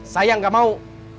saya gak mau